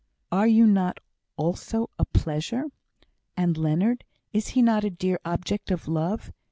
"Are you not also a pleasure? And Leonard, is he not a dear object of love?